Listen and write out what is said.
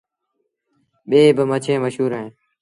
ٻيٚن با مڇيٚن مشهور اهيݩ ۔